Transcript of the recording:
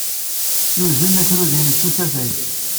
Yuzen akerrud-nni s usafag.